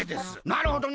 なるほどね。